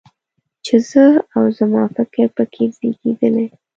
چې زه او زما فکر په کې زېږېدلی.